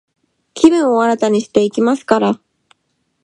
気分を新たにしていきますから、